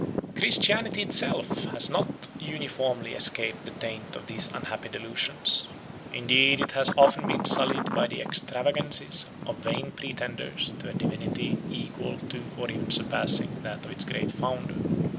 Christianity itself has not uniformly escaped the taint of these unhappy delusions; indeed it has often been sullied by the extravagances of vain pretenders to a divinity equal to or even surpassing that of its great Founder.